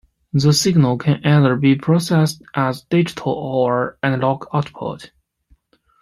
The signal can either be processed as digital or analog output.